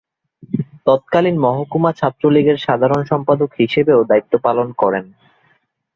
তৎকালীন মহকুমা ছাত্রলীগের সাধারণ সম্পাদক হিসেবেও দায়িত্ব পালন করেন।